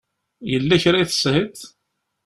Yella kra i teshiḍ?